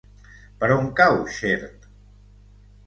Per on cau Xert?